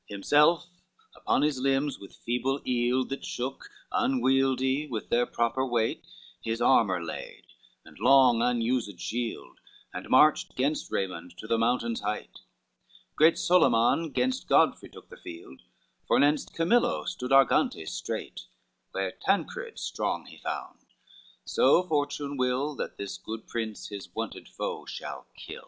LXVII Himself upon his limbs with feeble eild That shook, unwieldy with their proper weight, His armor laid and long unused shield, And marched gainst Raymond to the mountain's height; Great Solyman gainst Godfrey took the field; Fornenst Camillo stood Argantes straight Where Tancred strong he found, so fortune will That this good prince his wonted foe shall kill.